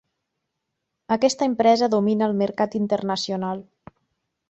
Aquesta empresa domina el mercat internacional.